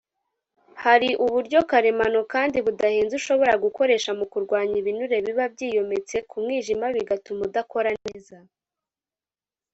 Hari uburyo karemano kandi budahenze ushobora gukoresha mu kurwanya ibinure biba byiyometse ku mwijima bigatuma udakora neza